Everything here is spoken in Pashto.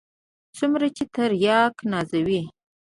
څومره چې ترياک نازوي.